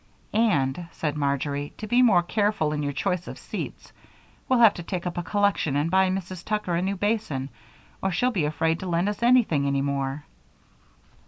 "And," said Marjory, "to be more careful in your choice of seats we'll have to take up a collection and buy Mrs. Tucker a new basin, or she'll be afraid to lend us anything more."